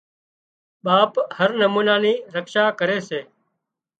ٻاپ هر نمونا نِي رڪشا ڪري سي